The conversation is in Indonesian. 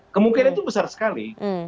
kemungkinan itu besar sekali